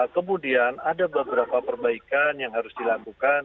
kemudian ada beberapa perbaikan yang harus dilakukan